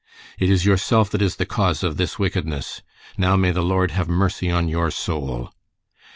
"It is yourself that is the cause of this wickedness. Now, may the Lord have mercy on your soul."